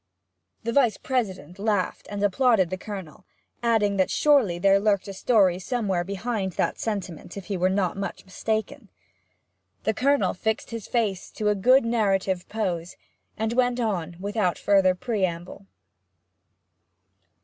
The Vice President laughed, and applauded the Colonel, adding that there surely lurked a story somewhere behind that sentiment, if he were not much mistaken. The Colonel fixed his face to a good narrative pose, and went on without further preamble.